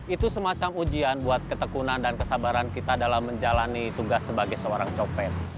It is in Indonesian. itu semacam ujian buat ketekunan dan kesabaran kita dalam menjalani tugas sebagai seorang copet